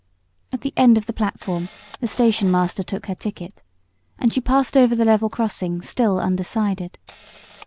At the end of the platform the station master took her ticket, and she passed over the level crossing still undecided.